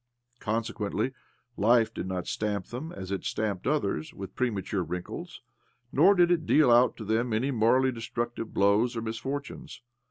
Consequently, life did not stamp| them, as it stamped others, with premature j wrinkles ; nor did it deal out to them any! morally destructive blows or misfortunes.)